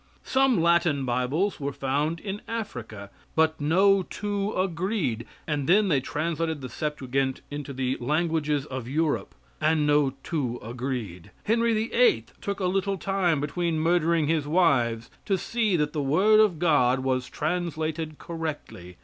Some Latin Bibles were found in Africa but no two agreed; and then they translated the Septuagint into the languages of Europe, and no two agreed. Henry VIII. took a little time between murdering his wives to see that the Word of God was translated correctly.